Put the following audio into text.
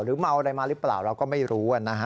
เมาอะไรมาหรือเปล่าเราก็ไม่รู้นะฮะ